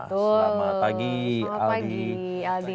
selamat pagi aldi